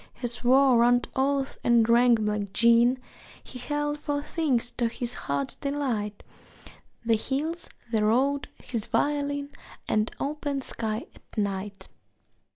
He swore round oaths and drank black gin; He held four things to his heart's delight: The hills, the road, his violin, An open sky at night.